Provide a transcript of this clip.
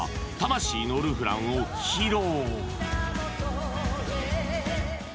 「魂のルフラン」を披露